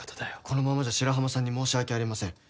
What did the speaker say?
このままじゃ白浜さんに申し訳ありません。